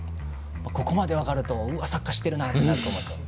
ここまで分かるとサッカー知ってるなってなると思います。